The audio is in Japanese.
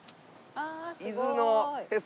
「伊豆のへそ」